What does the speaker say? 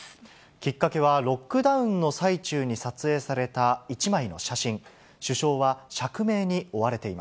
きっかけは、ロックダウンの最中に撮影された一枚の写真。